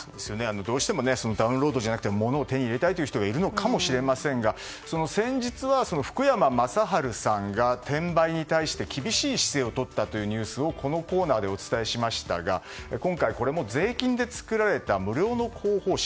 どうしてもダウンロードじゃなくて物を手に入れたい人がいるのかもしれませんが先日は、福山雅治さんが転売に対して厳しい姿勢をとったというニュースをこのコーナーでお伝えしましたが今回、これも税金で作られた無料の広報誌。